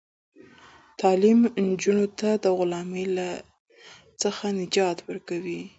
تعلیم نجونو ته د غلامۍ څخه نجات ورکوي.